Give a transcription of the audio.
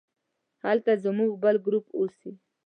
هلته زموږ بل ګروپ اوسي.